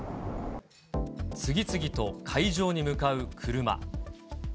次々と会場に向かう車。